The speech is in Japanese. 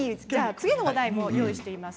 次のお題も用意しています。